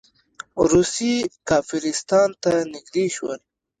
روسیې کافرستان ته نږدې شول.